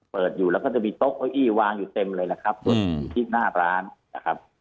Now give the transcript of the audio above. เปิดอยู่แล้วก็จะมีโต๊ะเก้าอี้วางอยู่เต็มเลยนะครับรถอยู่ที่หน้าร้านนะครับ